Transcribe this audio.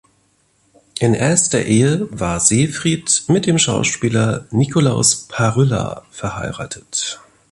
In erster Ehe war Seefried mit dem Schauspieler Nikolaus Paryla verheiratet.